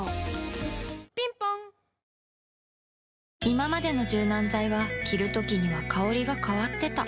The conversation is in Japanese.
いままでの柔軟剤は着るときには香りが変わってた